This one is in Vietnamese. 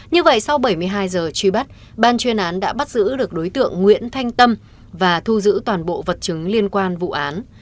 như vậy sau bảy mươi hai giờ truy bắt ban chuyên án đã bắt giữ được đối tượng nguyễn thanh tâm và thu giữ toàn bộ vật chứng liên quan vụ án